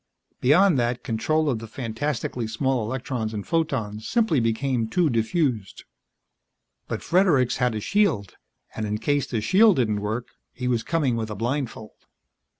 Beyond that, control of the fantastically small electrons and photons simply became too diffused. But Fredericks had a shield. And in case the shield didn't work, he was coming with a blindfold.